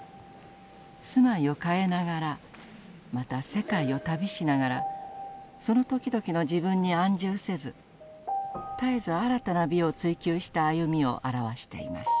住まいを変えながらまた世界を旅しながらその時々の自分に安住せず絶えず新たな美を追究した歩みを表しています。